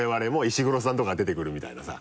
石黒さんとか出てくるみたいなさ